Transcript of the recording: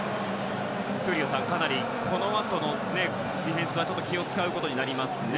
闘莉王さん、かなりこのあとのディフェンスはちょっと気を使うことになりますね。